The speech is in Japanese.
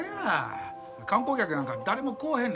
観光客なんか誰も来おへんねん。